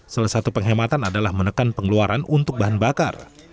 salah satu penghematan adalah menekan pengeluaran untuk bahan bakar